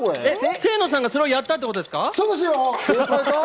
清野さんがそれをやったって事ですか？